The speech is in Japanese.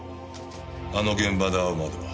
あの現場で会うまでは？